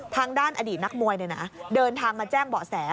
ทางด้านอดีตนักมวยเดินทางมาแจ้งเบาะแส